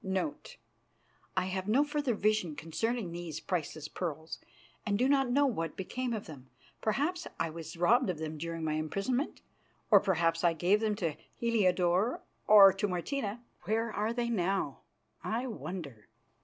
[*][*] I have no further vision concerning these priceless pearls and do not know what became of them. Perhaps I was robbed of them during my imprisonment, or perhaps I gave them to Heliodore or to Martina. Where are they now, I wonder?